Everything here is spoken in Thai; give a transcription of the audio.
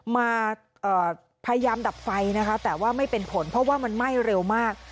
มาพยายามดับไฟนะคะแต่ว่าไม่เป็นผลเพราะว่ามันไหม้เร็วมาก